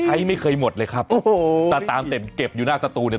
ไม่เคยหมดเลยครับโอ้โหแต่ตามเต็มเก็บอยู่หน้าสตูเนี่ย